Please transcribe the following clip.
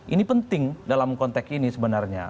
ini penting dalam konteks ini sebenarnya